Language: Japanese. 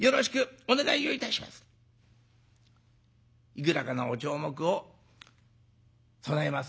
いくらかのお鳥目を供えます